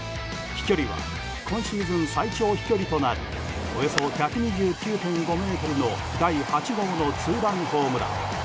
飛距離は今シーズン最長飛距離となるおよそ１２９．５ｍの第８号のツーランホームラン。